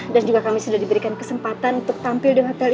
juga kami sudah diberikan kesempatan untuk tampil di hotel